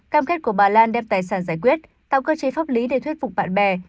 cam kết của bà lan đem tài sản giải quyết tạo cơ chế pháp lý để thuyết phục bạn bè